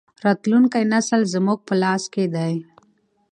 راتلونکی نسل زموږ په لاس کې دی.